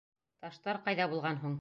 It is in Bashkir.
Таштар ҡайҙа булған һуң?